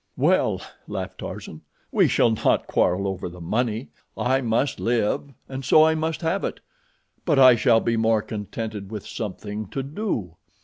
"Well," laughed Tarzan, "we shall not quarrel over the money. I must live, and so I must have it; but I shall be more contented with something to do.